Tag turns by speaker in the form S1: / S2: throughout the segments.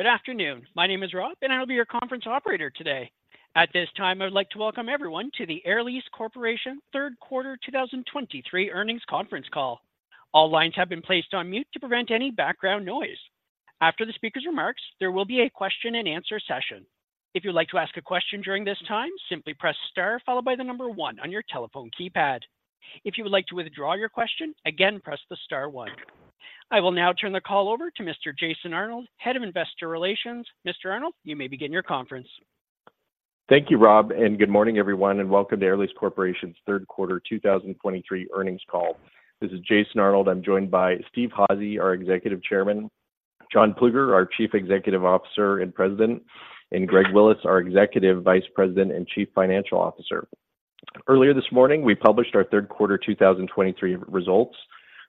S1: Good afternoon. My name is Rob, and I'll be your conference operator today. At this time, I would like to welcome everyone to the Air Lease Corporation Q3 2023 Earnings Conference Call. All lines have been placed on mute to prevent any background noise. After the speaker's remarks, there will be a question-and-answer session. If you'd like to ask a question during this time, simply press star followed by the number one on your telephone keypad. If you would like to withdraw your question, again, press the star one. I will now turn the call over to Mr. Jason Arnold, Head of Investor Relations. Mr. Arnold, you may begin your conference.
S2: Thank you, Rob, and good morning, everyone, and welcome to Air Lease Corporation's Q3 2023 earnings call. This is Jason Arnold. I'm joined by Steve Házy, our Executive Chairman, John Plueger, our Chief Executive Officer and President, and Greg Willis, our Executive Vice President and Chief Financial Officer. Earlier this morning, we published our Q3 2023 results.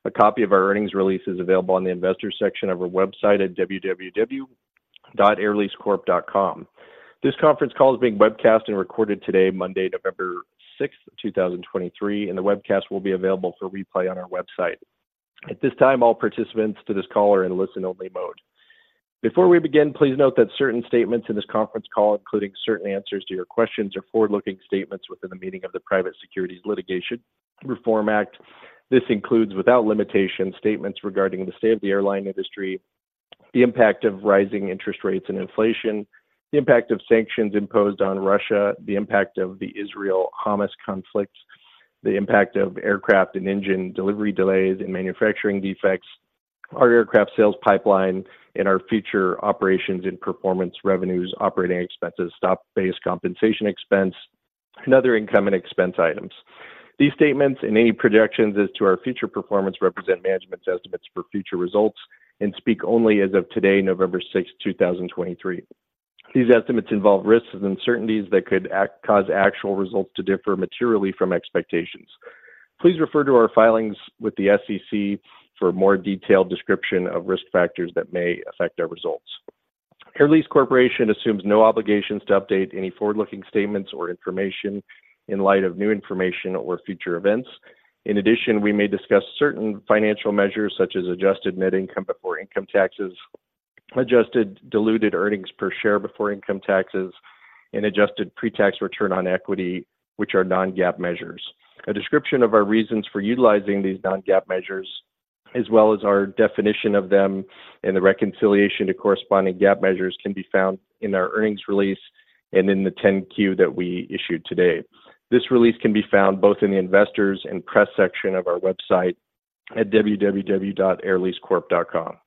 S2: A copy of our earnings release is available on the Investors section of our website at www.airleasecorp.com. This conference call is being webcast and recorded today, Monday, November sixth, 2023, and the webcast will be available for replay on our website. At this time, all participants to this call are in listen-only mode. Before we begin, please note that certain statements in this conference call, including certain answers to your questions, are forward-looking statements within the meaning of the Private Securities Litigation Reform Act. This includes, without limitation, statements regarding the state of the airline industry, the impact of rising interest rates and inflation, the impact of sanctions imposed on Russia, the impact of the Israel-Hamas conflict, the impact of aircraft and engine delivery delays and manufacturing defects, our aircraft sales pipeline, and our future operations and performance, revenues, operating expenses, stock-based compensation expense, and other income and expense items. These statements and any projections as to our future performance represent management's estimates for future results and speak only as of today, November sixth, 2023. These estimates involve risks and uncertainties that could cause actual results to differ materially from expectations. Please refer to our filings with the SEC for a more detailed description of risk factors that may affect our results. Air Lease Corporation assumes no obligations to update any forward-looking statements or information in light of new information or future events. In addition, we may discuss certain financial measures, such as adjusted net income before income taxes, adjusted diluted earnings per share before income taxes, and adjusted pre-tax return on equity, which are non-GAAP measures. A description of our reasons for utilizing these non-GAAP measures, as well as our definition of them and the reconciliation to corresponding GAAP measures, can be found in our earnings release and in the 10-Q that we issued today. This release can be found both in the Investors and Press section of our website at www.airleasecorp.com.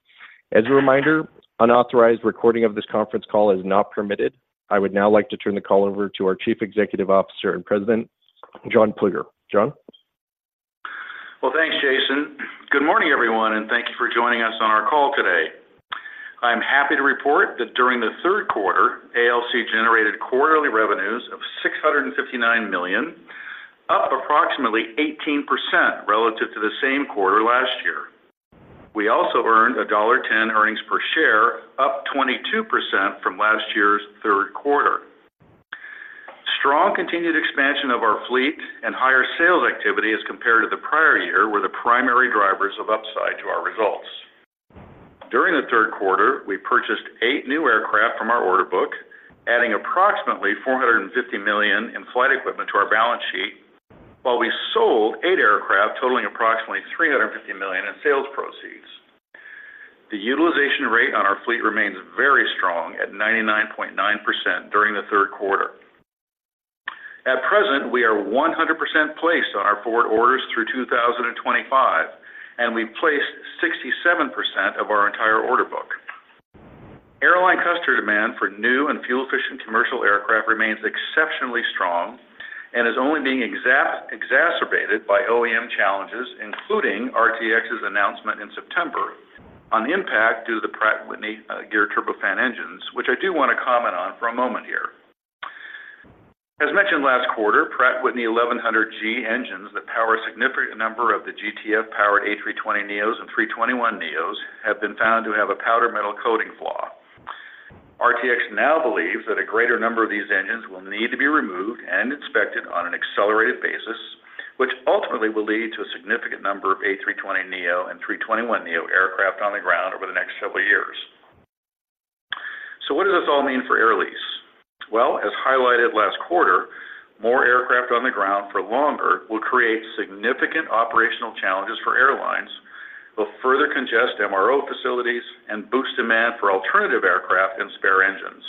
S2: As a reminder, unauthorized recording of this conference call is not permitted. I would now like to turn the call over to our Chief Executive Officer and President, John Plueger. John?
S3: Well, thanks, Jason. Good morning, everyone, and thank you for joining us on our call today. I'm happy to report that during the Q3, ALC generated quarterly revenues of $659 million, up approximately 18% relative to the same quarter last year. We also earned $1.10 earnings per share, up 22% from last year's Q3. Strong continued expansion of our fleet and higher sales activity as compared to the prior year were the primary drivers of upside to our results. During the Q3, we purchased eight new aircraft from our order book, adding approximately $450 million in flight equipment to our balance sheet, while we sold eight aircraft, totalling approximately $350 million in sales proceeds. The utilization rate on our fleet remains very strong, at 99.9% during the Q3. At present, we are 100% placed on our forward orders through 2025, and we've placed 67% of our entire order book. Airline customer demand for new and fuel-efficient commercial aircraft remains exceptionally strong and is only being exacerbated by OEM challenges, including RTX's announcement in September on the impact due to the Pratt & Whitney Geared Turbofan engines, which I do want to comment on for a moment here. As mentioned last quarter, Pratt & Whitney 1100G engines that power a significant number of the GTF-powered A320neos and 321neos have been found to have a powder metal coating flaw. RTX now believes that a greater number of these engines will need to be removed and inspected on an accelerated basis, which ultimately will lead to a significant number of A320neo and A321neo aircraft on the ground over the next several years. So what does this all mean for Air Lease? Well, as highlighted last quarter, more aircraft on the ground for longer will create significant operational challenges for airlines, will further congest MRO facilities, and boost demand for alternative aircraft and spare engines.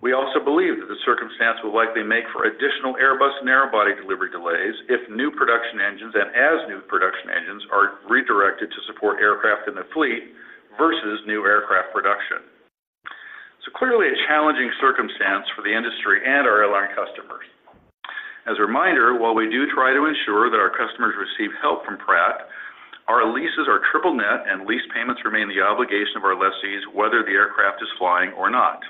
S3: We also believe that the circumstance will likely make for additional Airbus and narrow-body delivery delays if new production engines and as new production engines are redirected to support aircraft in the fleet versus new aircraft production. So clearly a challenging circumstance for the industry and our airline customers. As a reminder, while we do try to ensure that our customers receive help from Pratt, our leases are triple net, and lease payments remain the obligation of our lessees, whether the aircraft is flying or not.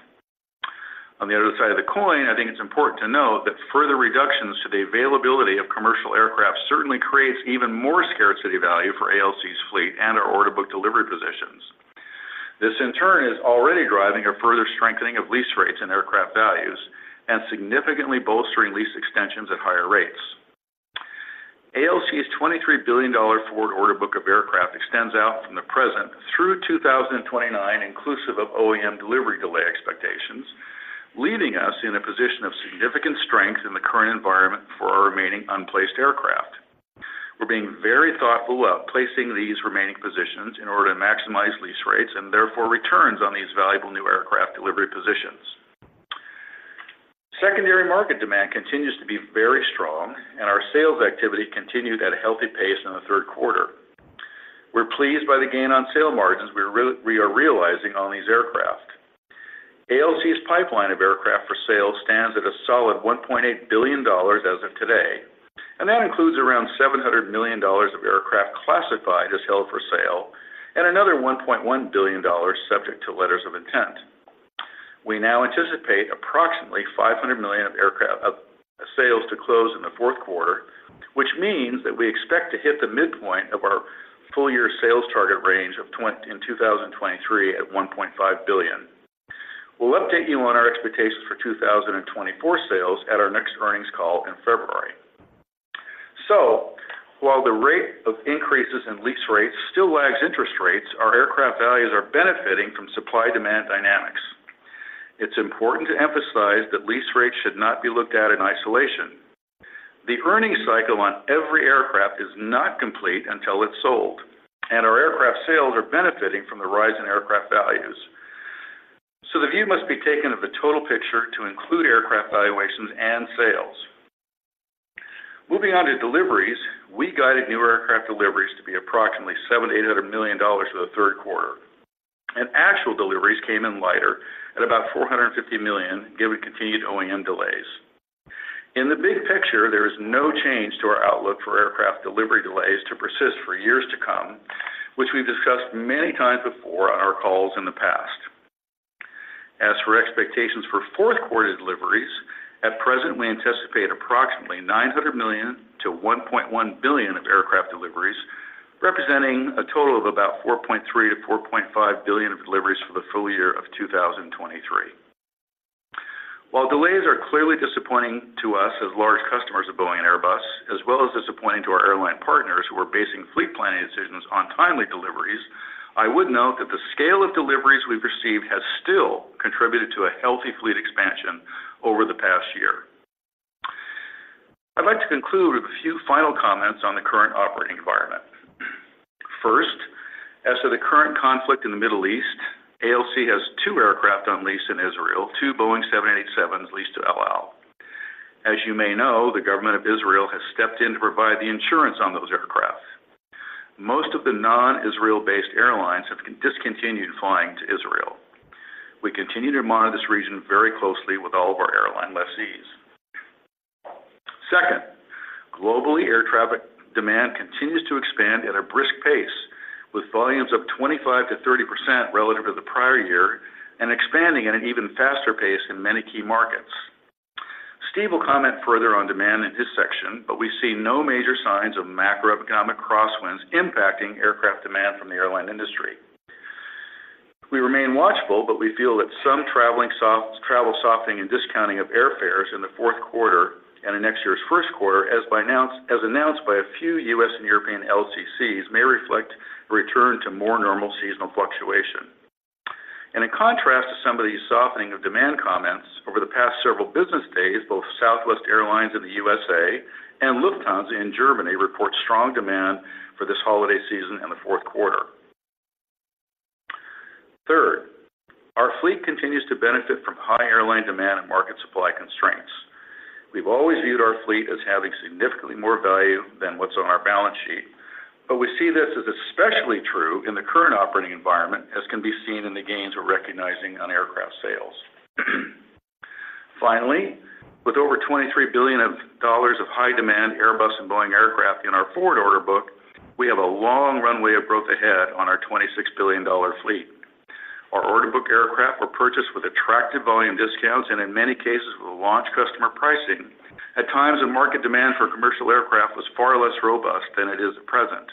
S3: On the other side of the coin, I think it's important to note that further reductions to the availability of commercial aircraft certainly creates even more scarcity value for ALC's fleet and our order book delivery positions. This, in turn, is already driving a further strengthening of lease rates and aircraft values and significantly bolstering lease extensions at higher rates.... ALC's $23 billion forward order book of aircraft extends out from the present through 2029, inclusive of OEM delivery delay expectations, leaving us in a position of significant strength in the current environment for our remaining unplaced aircraft. We're being very thoughtful about placing these remaining positions in order to maximize lease rates and therefore returns on these valuable new aircraft delivery positions. Secondary market demand continues to be very strong, and our sales activity continued at a healthy pace in the Q3. We're pleased by the gain on sale margins we are realizing on these aircraft. ALC's pipeline of aircraft for sale stands at a solid $1.8 billion as of today, and that includes around $700 million of aircraft classified as held for sale and another $1.1 billion subject to letters of intent. We now anticipate approximately $500 million of aircraft sales to close in the Q4, which means that we expect to hit the midpoint of our full-year sales target range in 2023 at $1.5 billion. We'll update you on our expectations for 2024 sales at our next earnings call in February. So while the rate of increases in lease rates still lags interest rates, our aircraft values are benefiting from supply-demand dynamics. It's important to emphasize that lease rates should not be looked at in isolation. The earnings cycle on every aircraft is not complete until it's sold, and our aircraft sales are benefiting from the rise in aircraft values. So the view must be taken of the total picture to include aircraft valuations and sales. Moving on to deliveries, we guided new aircraft deliveries to be approximately $700 million-$800 million for the Q3, and actual deliveries came in lighter at about $450 million, given continued OEM delays. In the big picture, there is no change to our outlook for aircraft delivery delays to persist for years to come, which we've discussed many times before on our calls in the past. As for expectations for Q4 deliveries, at present, we anticipate approximately $900 million-$1.1 billion of aircraft deliveries, representing a total of about $4.3 billion-$4.5 billion of deliveries for the full year of 2023. While delays are clearly disappointing to us as large customers of Boeing and Airbus, as well as disappointing to our airline partners who are basing fleet planning decisions on timely deliveries, I would note that the scale of deliveries we've received has still contributed to a healthy fleet expansion over the past year. I'd like to conclude with a few final comments on the current operating environment. First, as to the current conflict in the Middle East, ALC has two aircraft on lease in Israel, two Boeing 787s leased to El Al. As you may know, the government of Israel has stepped in to provide the insurance on those aircraft. Most of the non-Israel-based airlines have discontinued flying to Israel. We continue to monitor this region very closely with all of our airline lessees. Second, globally, air traffic demand continues to expand at a brisk pace, with volumes up 25%-30% relative to the prior year and expanding at an even faster pace in many key markets. Steve will comment further on demand in his section, but we see no major signs of macroeconomic crosswinds impacting aircraft demand from the airline industry. We remain watchful, but we feel that some travel softening and discounting of airfares in the Q4 and in next year's Q1, as announced by a few U.S. and European LCCs, may reflect a return to more normal seasonal fluctuation. In contrast to some of these softening of demand comments, over the past several business days, both Southwest Airlines in the U.S.A. and Lufthansa in Germany report strong demand for this holiday season and the Q4. Third, our fleet continues to benefit from high airline demand and market supply constraints. We've always viewed our fleet as having significantly more value than what's on our balance sheet, but we see this as especially true in the current operating environment, as can be seen in the gains we're recognizing on aircraft sales. Finally, with over $23 billion of high demand Airbus and Boeing aircraft in our forward order book, we have a long runway of growth ahead on our $26 billion fleet. Our order book aircraft were purchased with attractive volume discounts and, in many cases, with launch customer pricing. At times, the market demand for commercial aircraft was far less robust than it is at present.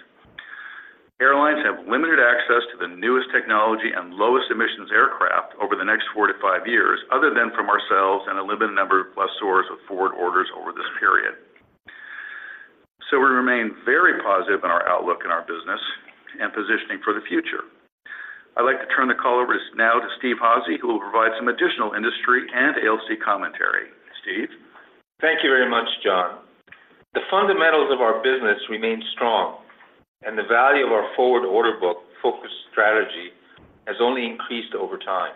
S3: Airlines have limited access to the newest technology and lowest emissions aircraft over the next 4-5 years, other than from ourselves and a limited number of lessors with forward orders over this period. So we remain very positive in our outlook in our business and positioning for the future. I'd like to turn the call over now to Steve Hazy, who will provide some additional industry and ALC commentary. Steve?
S4: Thank you very much, John. The fundamentals of our business remain strong, and the value of our forward order book-focused strategy has only increased over time.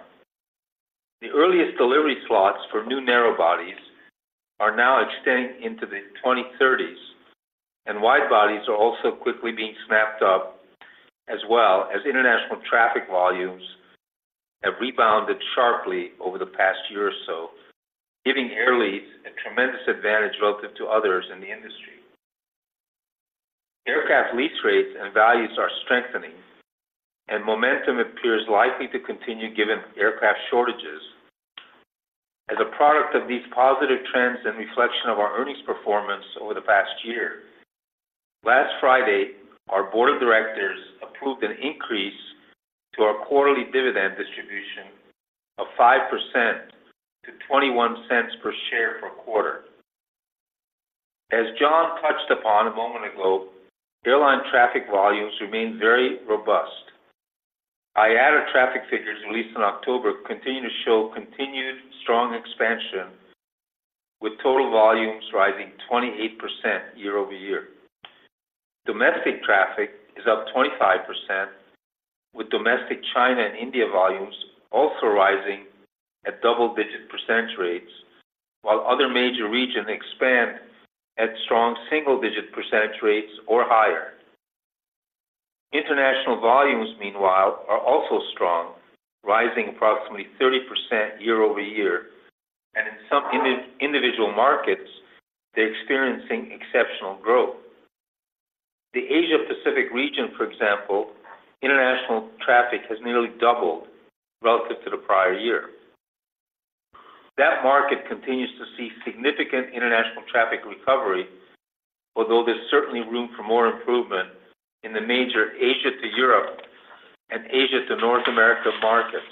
S4: The earliest delivery slots for new narrow bodies are now extending into the 2030s, and wide bodies are also quickly being snapped up, as well as international traffic volumes have rebounded sharply over the past year or so, giving Air Lease a tremendous advantage relative to others in the industry. Aircraft lease rates and values are strengthening, and momentum appears likely to continue, given aircraft shortages. As a product of these positive trends and reflection of our earnings performance over the past year, last Friday, our board of directors approved an increase to our quarterly dividend distribution 5% to $0.21 per share for a quarter. As John touched upon a moment ago, airline traffic volumes remain very robust. IATA traffic figures released in October continue to show continued strong expansion, with total volumes rising 28% year-over-year. Domestic traffic is up 25%, with domestic China and India volumes also rising at double-digit percentage rates, while other major regions expand at strong single-digit percentage rates or higher. International volumes, meanwhile, are also strong, rising approximately 30% year-over-year, and in some individual markets, they're experiencing exceptional growth. The Asia-Pacific region, for example, international traffic has nearly doubled relative to the prior year. That market continues to see significant international traffic recovery, although there's certainly room for more improvement in the major Asia to Europe and Asia to North America markets.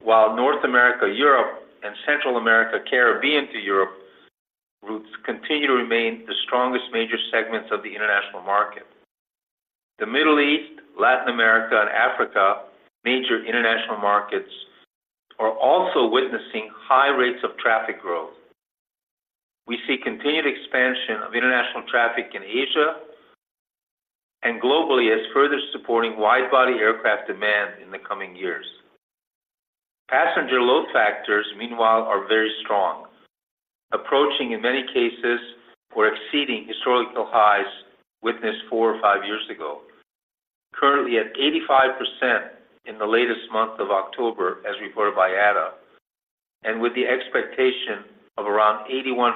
S4: While North America, Europe, and Central America, Caribbean to Europe routes continue to remain the strongest major segments of the international market. The Middle East, Latin America, and Africa, major international markets, are also witnessing high rates of traffic growth. We see continued expansion of international traffic in Asia and globally as further supporting wide-body aircraft demand in the coming years. Passenger load factors, meanwhile, are very strong, approaching, in many cases, or exceeding historical highs witnessed four or five years ago. Currently at 85% in the latest month of October, as reported by IATA, and with the expectation of around 81%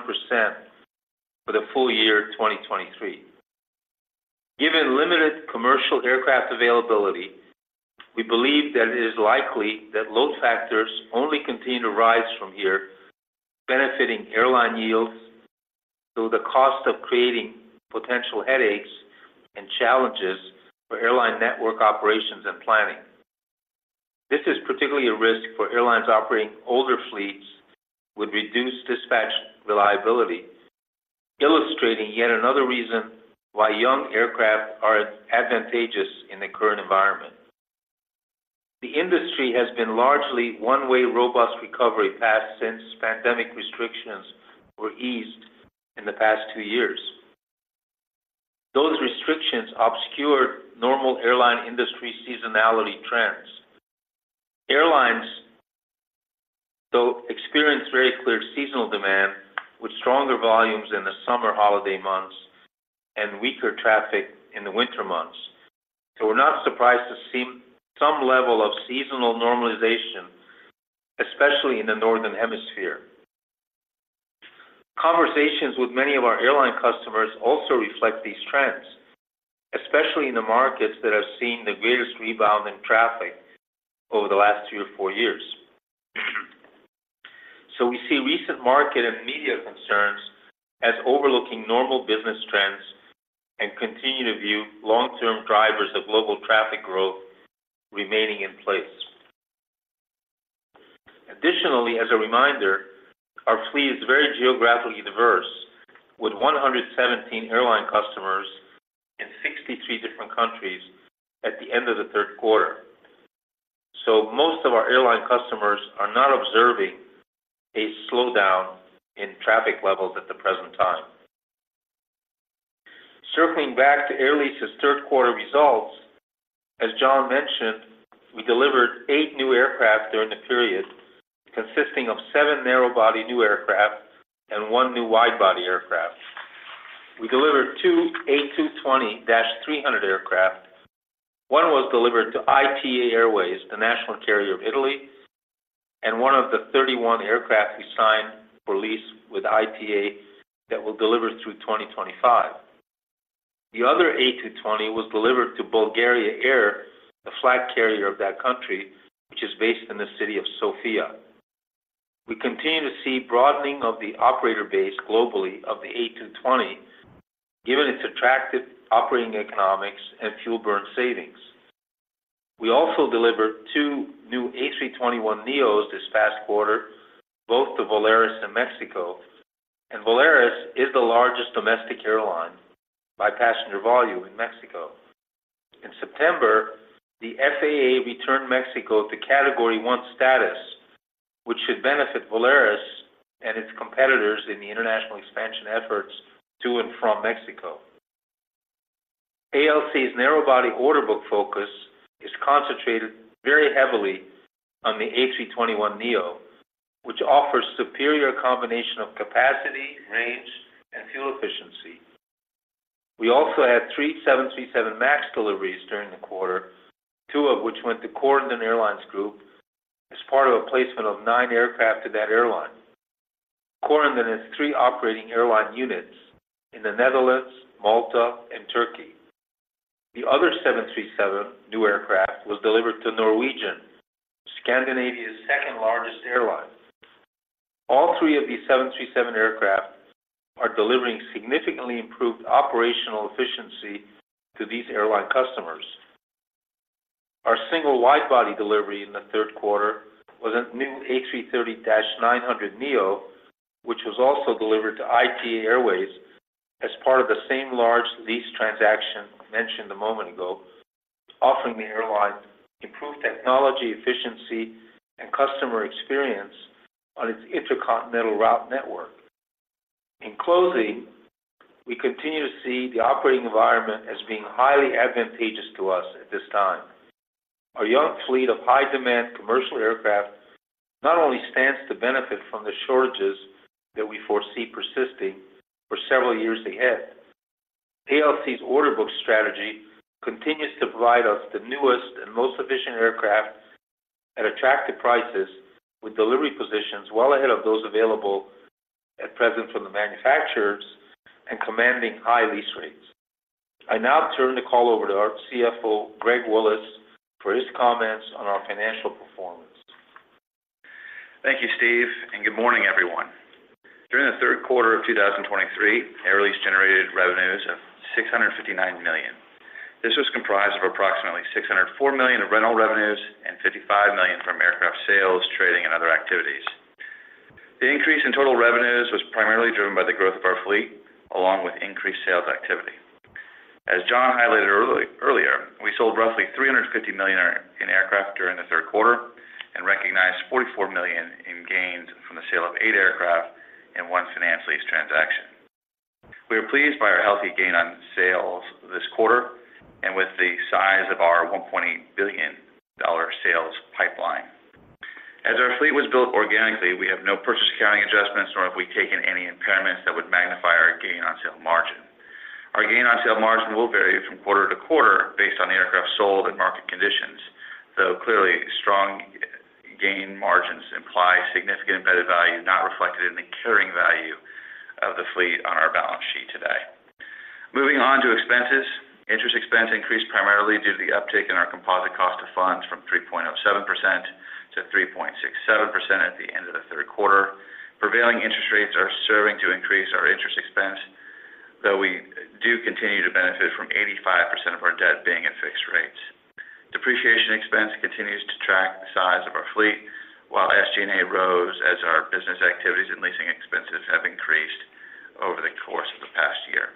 S4: for the full year 2023. Given limited commercial aircraft availability, we believe that it is likely that load factors only continue to rise from here, benefiting airline yields, though the cost of creating potential headaches and challenges for airline network operations and planning. This is particularly a risk for airlines operating older fleets with reduced dispatch reliability, illustrating yet another reason why young aircraft are advantageous in the current environment. The industry has been largely one-way, robust recovery path since pandemic restrictions were eased in the past two years. Those restrictions obscured normal airline industry seasonality trends. Airlines, though, experience very clear seasonal demand, with stronger volumes in the summer holiday months and weaker traffic in the winter months. So we're not surprised to see some level of seasonal normalization, especially in the Northern Hemisphere. Conversations with many of our airline customers also reflect these trends, especially in the markets that have seen the greatest rebound in traffic over the last two to four years. So we see recent market and media concerns as overlooking normal business trends and continue to view long-term drivers of global traffic growth remaining in place. Additionally, as a reminder, our fleet is very geographically diverse, with 117 airline customers in 63 different countries at the end of the Q3. So most of our airline customers are not observing a slowdown in traffic levels at the present time. Circling back to Air Lease's Q3 results, as John mentioned, we delivered 8 new aircraft during the period, consisting of 7 narrow-body new aircraft and 1 new wide-body aircraft. We delivered two A220-300 aircraft. One was delivered to ITA Airways, the national carrier of Italy, and one of the 31 aircraft we signed for lease with ITA that will deliver through 2025. The other A220 was delivered to Bulgaria Air, the flag carrier of that country, which is based in the city of Sofia. We continue to see broadening of the operator base globally of the A220, given its attractive operating economics and fuel burn savings. We also delivered 2 new A321neo this past quarter, both to Volaris in Mexico, and Volaris is the largest domestic airline by passenger volume in Mexico. In September, the FAA returned Mexico to Category 1 status, which should benefit Volaris and its competitors in the international expansion efforts to and from Mexico. ALC's narrow-body order book focus is concentrated very heavily on the A321neo, which offers superior combination of capacity, range, and fuel efficiency. We also had 3 737 MAX deliveries during the quarter, 2 of which went to Corendon Airlines Group as part of a placement of 9 aircraft to that airline. Corendon has 3 operating airline units in the Netherlands, Malta, and Turkey. The other 737 new aircraft was delivered to Norwegian, Scandinavia's second largest airline. All three of these 737 aircraft are delivering significantly improved operational efficiency to these airline customers. Our single wide-body delivery in the Q3 was a new A330-900neo, which was also delivered to ITA Airways as part of the same large lease transaction I mentioned a moment ago, offering the airline improved technology, efficiency, and customer experience on its intercontinental route network. In closing, we continue to see the operating environment as being highly advantageous to us at this time. Our young fleet of high-demand commercial aircraft not only stands to benefit from the shortages that we foresee persisting for several years ahead. ALC's order book strategy continues to provide us the newest and most efficient aircraft at attractive prices, with delivery positions well ahead of those available at present from the manufacturers and commanding high lease rates. I now turn the call over to our CFO, Greg Willis, for his comments on our financial performance.
S5: Thank you, Steve, and good morning, everyone. During the Q3 of 2023, Air Lease generated revenues of $659 million. This was comprised of approximately $604 million of rental revenues and $55 million from aircraft sales, trading, and other activities. The increase in total revenues was primarily driven by the growth of our fleet, along with increased sales activity. As John highlighted earlier, we sold roughly $350 million in aircraft during the Q3 and recognized $44 million in gains from the sale of eight aircraft and one finance lease transaction. We are pleased by our healthy gain on sales this quarter and with the size of our $1.8 billion sales pipeline. As our fleet was built organically, we have no purchase accounting adjustments, nor have we taken any impairments that would magnify our gain on sale margin. Our gain on sale margin will vary from quarter to quarter based on the aircraft sold and market conditions, though clearly, strong gain margins imply significant embedded value, not reflected in the carrying value of the fleet on our balance sheet today. Moving on to expenses. Interest expense increased primarily due to the uptick in our composite cost of funds from 3.07% to 3.67% at the end of the Q3. Prevailing interest rates are serving to increase our interest expense, though we do continue to benefit from 85% of our debt being at fixed rates. Depreciation expense continues to track the size of our fleet, while SG&A rose as our business activities and leasing expenses have increased over the course of the past year.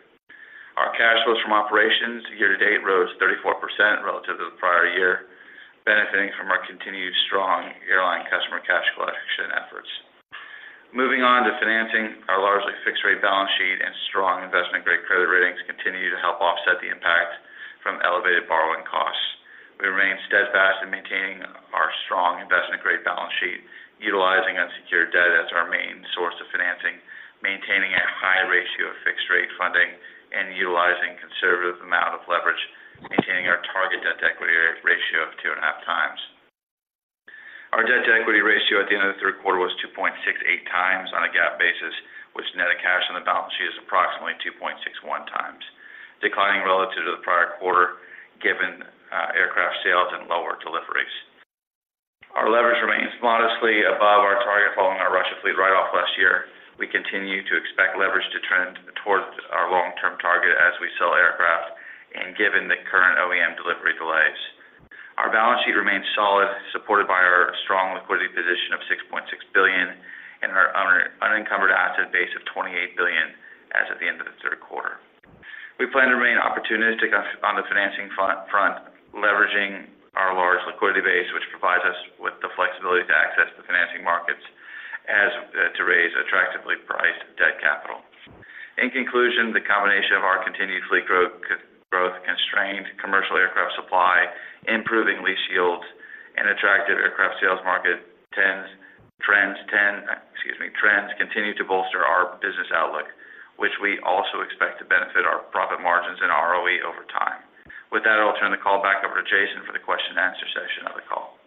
S5: Our cash flows from operations year to date rose 34% relative to the prior year, benefiting from our continued strong airline customer cash collection efforts. Moving on to financing, our largely fixed rate balance sheet and strong investment-grade credit ratings continue to help offset the impact from elevated borrowing costs. We remain steadfast in maintaining our strong investment-grade balance sheet, utilizing unsecured debt as our main source of financing, maintaining a high ratio of fixed rate funding, and utilizing conservative amount of leverage, maintaining our target debt-to-equity ratio of 2.5 times. Our debt-to-equity ratio at the end of the Q3 was 2.68 times on a GAAP basis, which net of cash on the balance sheet is approximately 2.61 times, declining relative to the prior quarter, given aircraft sales and lower deliveries. Our leverage remains modestly above our target, following our Russia fleet write-off last year. We continue to expect leverage to trend towards our long-term target as we sell aircraft and given the current OEM delivery delays. Our balance sheet remains solid, supported by our strong liquidity position of $6.6 billion and our unencumbered asset base of $28 billion as of the end of the Q3. We plan to remain opportunistic on the financing front, leveraging our large liquidity base, which provides us with the flexibility to access the financing markets as to raise attractively priced debt capital. In conclusion, the combination of our continued fleet growth, constrained commercial aircraft supply, improving lease yields, and attractive aircraft sales market trends continue to bolster our business outlook, which we also expect to benefit our profit margins and ROE over time. With that, I'll turn the call back over to Jason for the question and answer session of the call.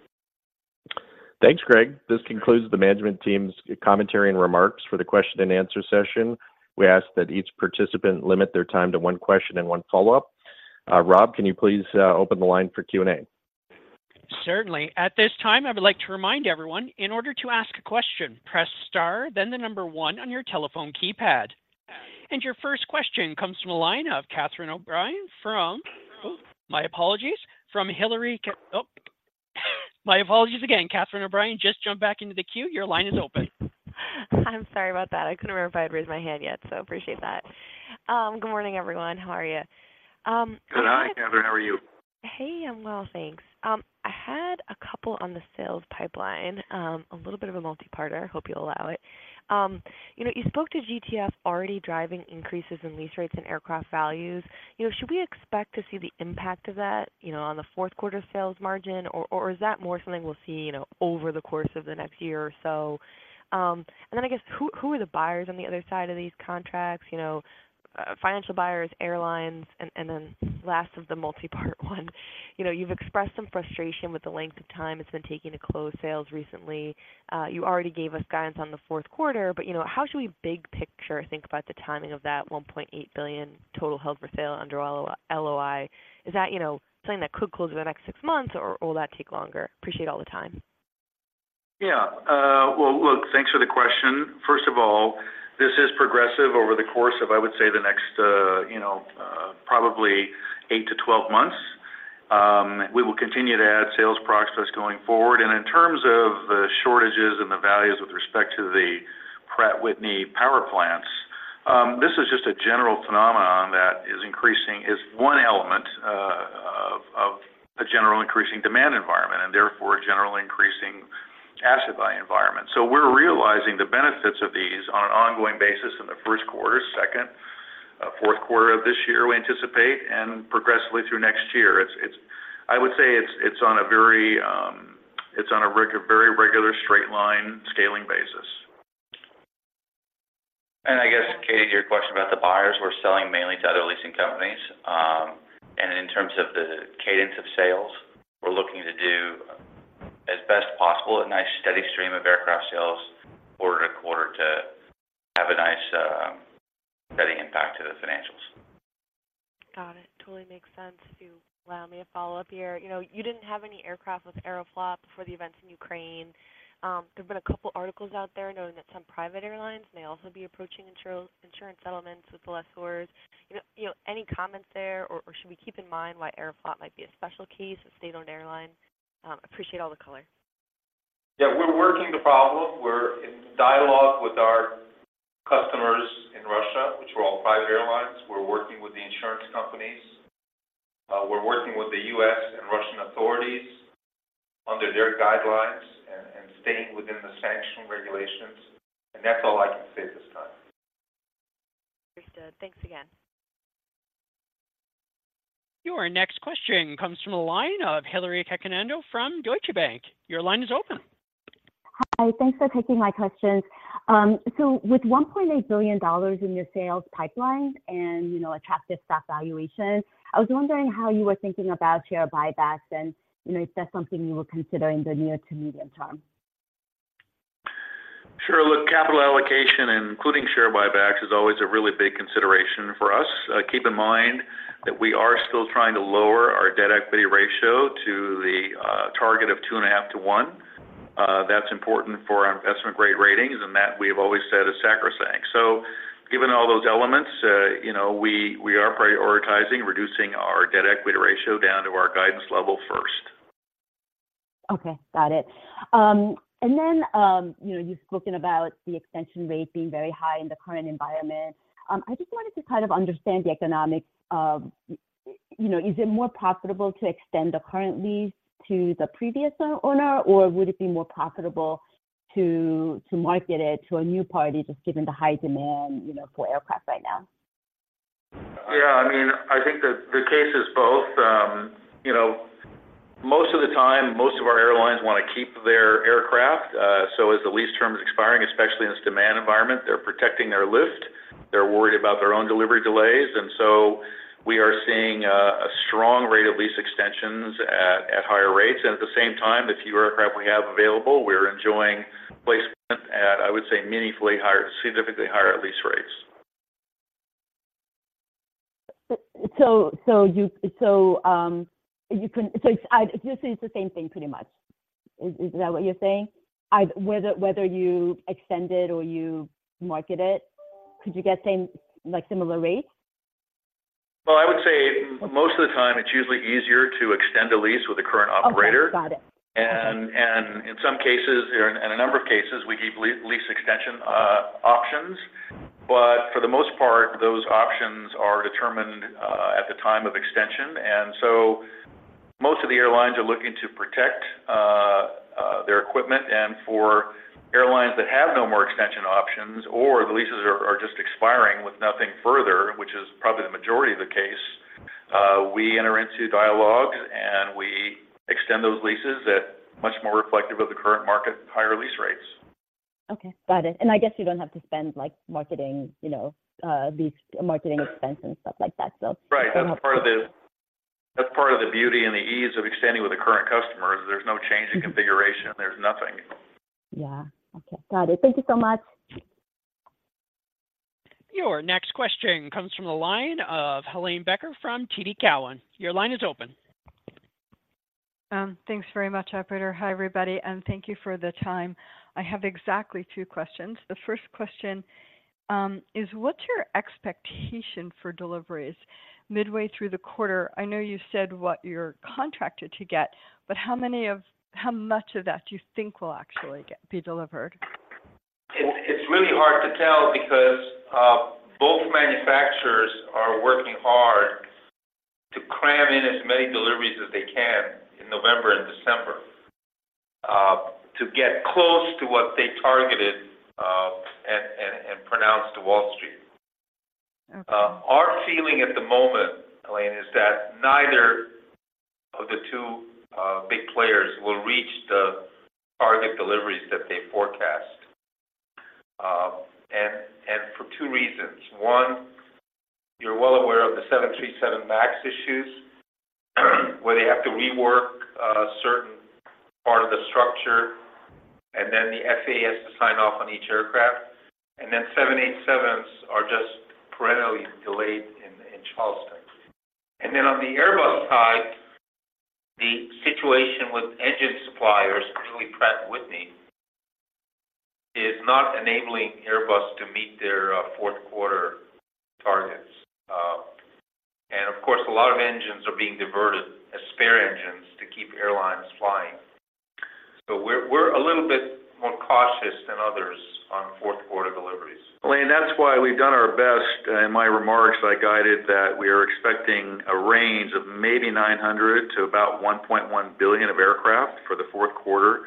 S2: Thanks, Greg. This concludes the management team's commentary and remarks for the question and answer session. We ask that each participant limit their time to one question and one follow-up. Rob, can you please open the line for Q&A?
S1: Certainly. At this time, I would like to remind everyone, in order to ask a question, press star, then the number one on your telephone keypad. Your first question comes from the line of Catherine O'Brien from... My apologies, from Hillary Cacanando. Oh, my apologies again. Catherine O'Brien, just jump back into the queue. Your line is open.
S6: I'm sorry about that. I couldn't remember if I had raised my hand yet, so appreciate that. Good morning, everyone. How are you? I had-
S5: Good morning, Catherine. How are you?
S6: Hey, I'm well, thanks. I had a couple on the sales pipeline, a little bit of a multi-partner. I hope you'll allow it. You know, you spoke to GTF already driving increases in lease rates and aircraft values. You know, should we expect to see the impact of that, you know, on the Q4 sales margin, or is that more something we'll see, you know, over the course of the next year or so? And then I guess, who are the buyers on the other side of these contracts? You know, financial buyers, airlines, and then last of the multi-part one, you know, you've expressed some frustration with the length of time it's been taking to close sales recently. You already gave us guidance on the Q4, but, you know, how should we big picture think about the timing of that $1.8 billion total held for sale under LOI? Is that, you know, something that could close in the next six months, or will that take longer? Appreciate all the time. ...
S3: Yeah. Well, look, thanks for the question. First of all, this is progressive over the course of, I would say, the next, you know, probably 8-12 months. We will continue to add sales process going forward. And in terms of the shortages and the values with respect to the Pratt & Whitney power plants, this is just a general phenomenon that is increasing, is one element, of, of a general increasing demand environment, and therefore a general increasing asset buy environment. So we're realizing the benefits of these on an ongoing basis in the Q1, second, Q4 of this year, we anticipate, and progressively through next year. It's I would say it's on a very, it's on a reg- a very regular straight line scaling basis.
S7: I guess, Katie, to your question about the buyers, we're selling mainly to other leasing companies. In terms of the cadence of sales, we're looking to do as best possible, a nice steady stream of aircraft sales quarter to quarter to have a nice, steady impact to the financials.
S6: Got it. Totally makes sense. Do allow me a follow-up here. You know, you didn't have any aircraft with Aeroflot before the events in Ukraine. There have been a couple articles out there noting that some private airlines may also be approaching insurance settlements with the lessors. You know, you know, any comments there, or, or should we keep in mind why Aeroflot might be a special case, a state-owned airline? Appreciate all the color.
S3: Yeah, we're working the problem. We're in dialogue with our customers in Russia, which are all private airlines. We're working with the insurance companies. We're working with the U.S. and Russian authorities under their guidelines and staying within the sanctions regulations, and that's all I can say at this time.
S6: Understood. Thanks again.
S1: Your next question comes from the line of Hillary Cacanando from Deutsche Bank. Your line is open.
S8: Hi. Thanks for taking my questions. So with $1.8 billion in your sales pipeline and, you know, attractive stock valuation, I was wondering how you were thinking about share buybacks and, you know, if that's something you will consider in the near to medium term?
S3: Sure. Look, capital allocation, including share buybacks, is always a really big consideration for us. Keep in mind that we are still trying to lower our debt-to-equity ratio to the target of 2.5 to 1. That's important for our investment-grade ratings, and that we've always said is sacrosanct. So given all those elements, you know, we are prioritizing reducing our debt-to-equity ratio down to our guidance level first.
S8: Okay, got it. And then, you know, you've spoken about the extension rate being very high in the current environment. I just wanted to kind of understand the economics of, you know, is it more profitable to extend the current lease to the previous owner, or would it be more profitable to market it to a new party, just given the high demand, you know, for aircraft right now?
S3: Yeah, I mean, I think that the case is both. You know, most of the time, most of our airlines want to keep their aircraft. So as the lease term is expiring, especially in this demand environment, they're protecting their lift. They're worried about their own delivery delays, and so we are seeing a strong rate of lease extensions at higher rates. And at the same time, the few aircraft we have available, we're enjoying placement at, I would say, meaningfully higher, significantly higher lease rates.
S8: So you can just say it's the same thing, pretty much. Is that what you're saying? Whether you extend it or you market it, could you get the same, like, similar rates?
S3: Well, I would say most of the time, it's usually easier to extend a lease with a current operator.
S8: Okay, got it.
S3: In some cases, or in a number of cases, we keep lease extension options. But for the most part, those options are determined at the time of extension, and so most of the airlines are looking to protect their equipment. And for airlines that have no more extension options or the leases are just expiring with nothing further, which is probably the majority of the case, we enter into dialogue and we extend those leases at much more reflective of the current market, higher lease rates.
S8: Okay, got it. And I guess you don't have to spend, like, marketing, you know, these marketing expense and stuff like that, so-
S3: Right. That's part of the, that's part of the beauty and the ease of extending with the current customer, is there's no change in configuration, there's nothing.
S8: Yeah. Okay, got it. Thank you so much.
S1: Your next question comes from the line of Helane Becker from TD Cowen. Your line is open.
S7: Thanks very much, operator. Hi, everybody, and thank you for the time. I have exactly two questions. The first question is what's your expectation for deliveries midway through the quarter? I know you said what you're contracted to get, but how many of - how much of that do you think will actually get, be delivered?
S3: It's really hard to tell because both manufacturers are working hard to cram in as many deliveries as they can in November and December to get close to what they targeted and pronounced to Wall Street.
S7: Okay.
S3: Our feeling at the moment, Helane, is that neither of the two big players will reach the target deliveries that they forecast. And for two reasons: One, you're well aware of the 737 Max issues, where they have to rework a certain part of the structure, and then the FAA has to sign off on each aircraft, and then 787s are just perennially delayed in Charleston.
S4: ...And then on the Airbus side, the situation with engine suppliers, particularly Pratt & Whitney, is not enabling Airbus to meet their Q4 targets. And of course, a lot of engines are being diverted as spare engines to keep airlines flying. So we're a little bit more cautious than others on Q4 deliveries.
S3: Well, and that's why we've done our best. In my remarks, I guided that we are expecting a range of maybe $900 million-$1.1 billion of aircraft for the Q4,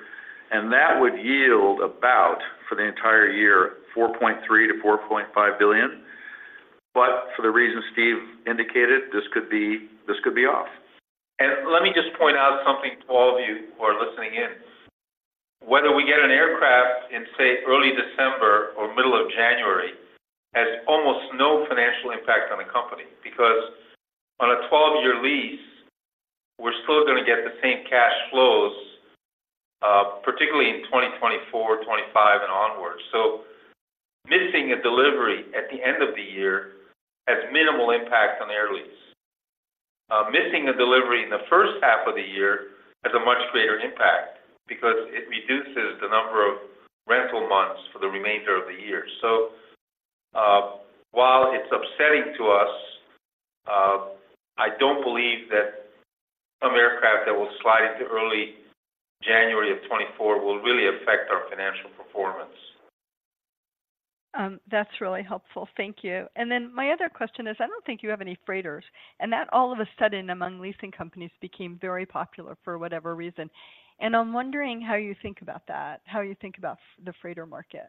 S3: and that would yield about, for the entire year, $4.3 billion-$4.5 billion. But for the reasons Steve indicated, this could be, this could be off.
S4: Let me just point out something to all of you who are listening in. Whether we get an aircraft in, say, early December or middle of January, has almost no financial impact on the company, because on a 12-year lease, we're still going to get the same cash flows, particularly in 2024, 2025, and onwards. So missing a delivery at the end of the year has minimal impact on Air Lease. Missing a delivery in the first half of the year has a much greater impact because it reduces the number of rental months for the remainder of the year. So, while it's upsetting to us, I don't believe that some aircraft that will slide into early January of 2024 will really affect our financial performance.
S7: That's really helpful. Thank you. And then my other question is, I don't think you have any freighters, and that all of a sudden, among leasing companies, became very popular for whatever reason. And I'm wondering how you think about that, how you think about the freighter market.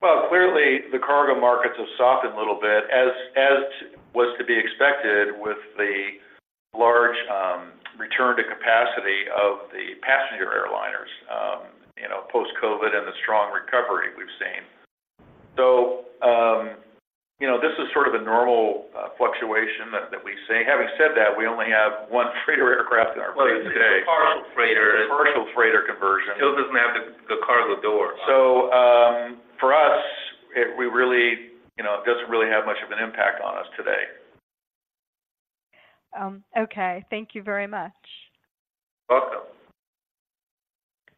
S3: Well, clearly, the cargo markets have softened a little bit, as was to be expected with the large return to capacity of the passenger airliners, you know, post-COVID and the strong recovery we've seen. So, you know, this is sort of a normal fluctuation that we see. Having said that, we only have one freighter aircraft in our fleet today.
S4: Well, it's a partial freighter.
S3: Partial freighter conversion.
S4: Still doesn't have the cargo door.
S3: So, for us, we really, you know, it doesn't really have much of an impact on us today.
S7: Okay. Thank you very much.
S3: Welcome.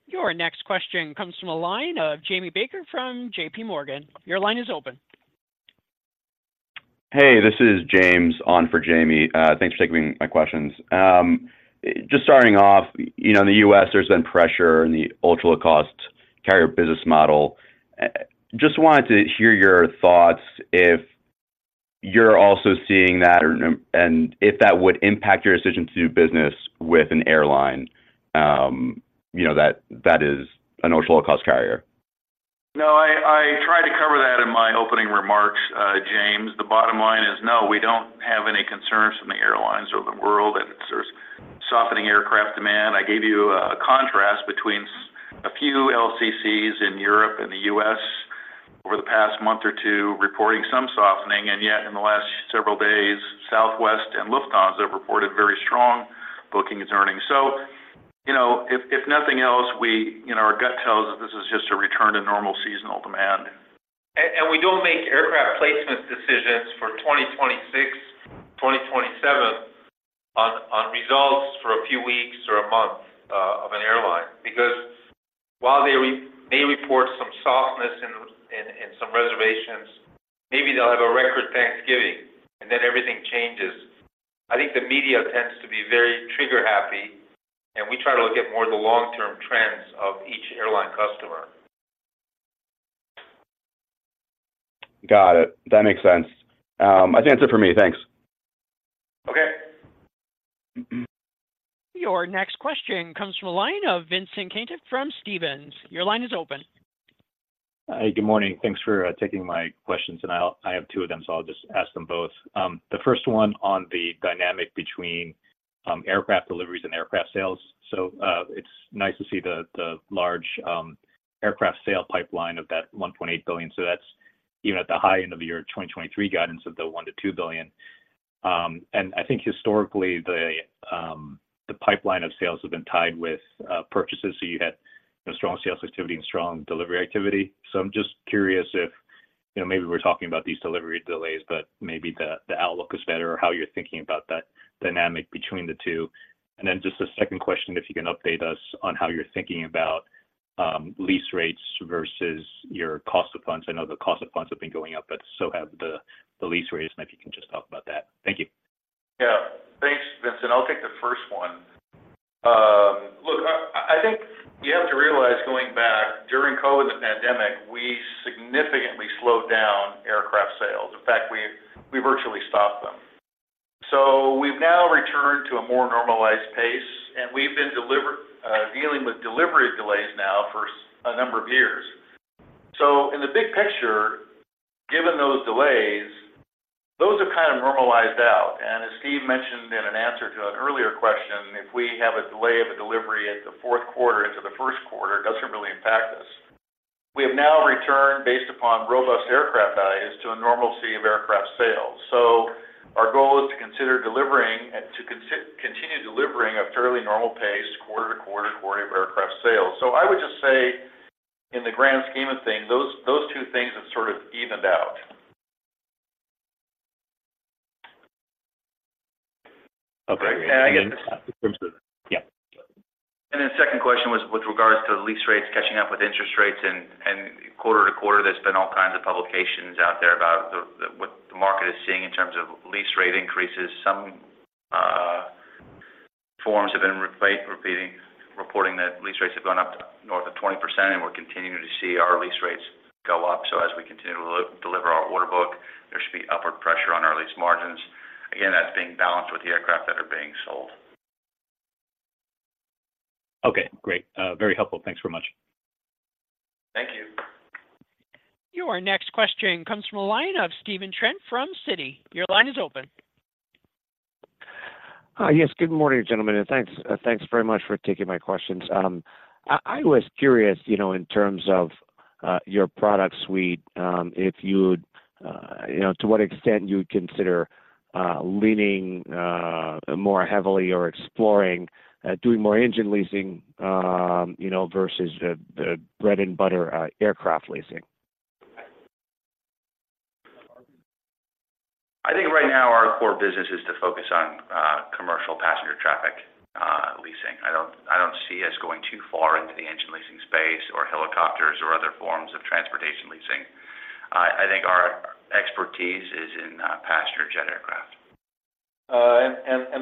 S1: Your next question comes from the line of Jamie Baker from JP Morgan. Your line is open.
S9: Hey, this is James on for Jamie. Thanks for taking my questions. Just starting off, you know, in the U.S., there's been pressure in the ultra-low-cost carrier business model. Just wanted to hear your thoughts if you're also seeing that or, and if that would impact your decision to do business with an airline, you know, that is an ultra-low-cost carrier.
S3: No, I tried to cover that in my opening remarks, James. The bottom line is, no, we don't have any concerns from the airlines or the world, and there's softening aircraft demand. I gave you a contrast between a few LCCs in Europe and the U.S. over the past month or two, reporting some softening, and yet in the last several days, Southwest and Lufthansa have reported very strong bookings and earnings. So, you know, if nothing else, we, you know, our gut tells us this is just a return to normal seasonal demand.
S4: We don't make aircraft placement decisions for 2026, 2027 on results for a few weeks or a month of an airline. Because while they may report some softness in some reservations, maybe they'll have a record Thanksgiving, and then everything changes. I think the media tends to be very trigger-happy, and we try to look at more of the long-term trends of each airline customer.
S9: Got it. That makes sense. I think that's it for me. Thanks.
S4: Okay.
S1: Your next question comes from a line of Vincent Caintic from Stephens. Your line is open.
S10: Hi, good morning. Thanks for taking my questions, and I'll. I have two of them, so I'll just ask them both. The first one on the dynamic between aircraft deliveries and aircraft sales. So, it's nice to see the large aircraft sale pipeline of that $1.8 billion. So that's even at the high end of the 2023 guidance of the $1-$2 billion. And I think historically, the pipeline of sales have been tied with purchases, so you had a strong sales activity and strong delivery activity. So I'm just curious if, you know, maybe we're talking about these delivery delays, but maybe the outlook is better or how you're thinking about that dynamic between the two. And then just a second question, if you can update us on how you're thinking about lease rates versus your cost of funds. I know the cost of funds have been going up, but so have the lease rates, and if you can just talk about that. Thank you.
S3: Yeah. Thanks, Vincent. I'll take the first one. Look, I think you have to realize, going back during COVID, the pandemic, we significantly slowed down aircraft sales. In fact, we virtually stopped them. So we've now returned to a more normalized pace, and we've been dealing with delivery delays now for a number of years. So in the big picture, given those delays, those are kind of normalized out. And as Steve mentioned in an answer to an earlier question, if we have a delay of a delivery at the Q4 into the Q1, it doesn't really impact us. We have now returned, based upon robust aircraft values, to a normalcy of aircraft sales. So our goal is to consider delivering a fairly normal pace quarter to quarter for aircraft sales. I would just say, in the grand scheme of things, those, those two things have sort of evened out.
S2: Okay.
S4: Yeah, I guess-
S2: Yeah.
S4: And then the second question was with regards to the lease rates catching up with interest rates and quarter-to-quarter, there's been all kinds of publications out there about the what the market is seeing in terms of lease rate increases. Some firms have been repeating, reporting that lease rates have gone up to north of 20%, and we're continuing to see our lease rates go up. So as we continue to deliver our order book, there should be upward pressure on our lease margins. Again, that's being balanced with the aircraft that are being sold.
S2: Okay, great. Very helpful. Thanks very much.
S4: Thank you.
S1: Your next question comes from the line of Stephen Trent from Citi. Your line is open.
S11: Hi, yes. Good morning, gentlemen, and thanks, thanks very much for taking my questions. I was curious, you know, in terms of your product suite, if you would, you know, to what extent you would consider leaning more heavily or exploring doing more engine leasing, you know, versus the bread-and-butter aircraft leasing?
S4: I think right now our core business is to focus on commercial passenger traffic leasing. I don't, I don't see us going too far into the engine leasing space or helicopters or other forms of transportation leasing. I think our expertise is in passenger jet aircraft.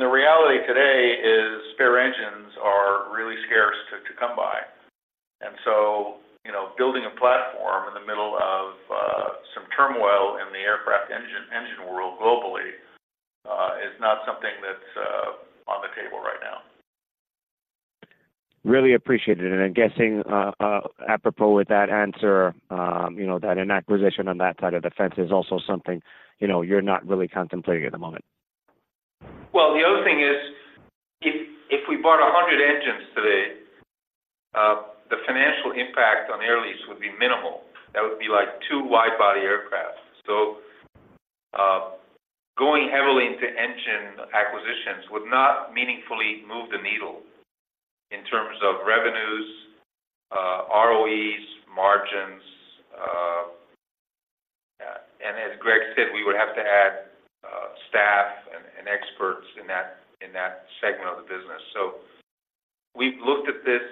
S3: The reality today is spare engines are really scarce to come by. So, you know, building a platform in the middle of some turmoil in the aircraft engine world globally is not something that's on the table right now.
S11: Really appreciate it. And I'm guessing, apropos with that answer, you know, that an acquisition on that side of the fence is also something, you know, you're not really contemplating at the moment.
S4: Well, the other thing is, if we bought 100 engines today, the financial impact on Air Lease would be minimal. That would be like two wide-body aircraft. So, going heavily into engine acquisitions would not meaningfully move the needle in terms of revenues, ROEs, margins. And as Greg said, we would have to add staff and experts in that segment of the business. So we've looked at this.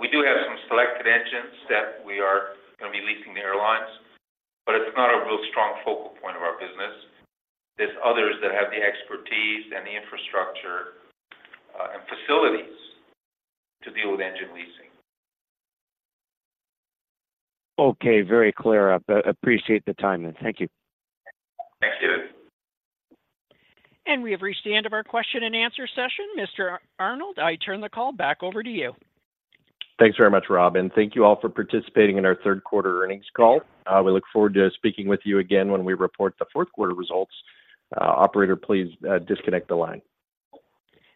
S4: We do have some selected engines that we are going to be leasing to airlines, but it's not a real strong focal point of our business. There's others that have the expertise and the infrastructure and facilities to deal with engine leasing.
S11: Okay. Very clear. I appreciate the time, then. Thank you.
S4: Thanks, David.
S1: We have reached the end of our question-and-answer session. Mr. Arnold, I turn the call back over to you.
S2: Thanks very much, Rob, and thank you all for participating in our Q3 earnings call. We look forward to speaking with you again when we report the Q4 results. Operator, please, disconnect the line.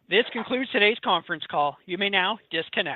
S1: This concludes today's conference call. You may now disconnect.